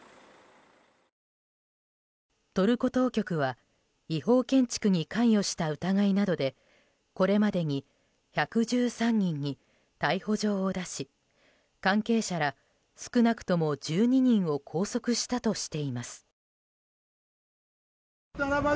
トルコ当局は違法建築に関与した疑いなどでこれまでに１１３人に逮捕状を出し関係者ら少なくとも１２人を拘束したとしています。